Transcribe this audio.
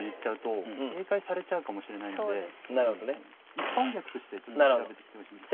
一般客として調べてきてほしいんです。